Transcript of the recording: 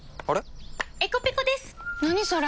何それ？